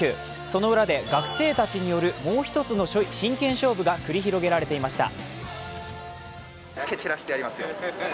その裏で学生たちによるもう一つの真剣勝負が繰り広げられていました。